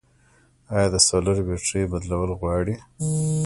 آیا د سولر بیترۍ بدلول غواړي؟